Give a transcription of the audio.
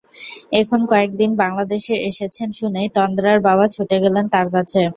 এখন কয়েক দিন বাংলাদেশে এসেছেন শুনেই তন্দ্রার বাবা ছুটে গেলেন তাঁর কাছে।